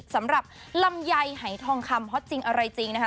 สำหรับลำไยหายทองคำฮอตจริงอะไรจริงนะคะ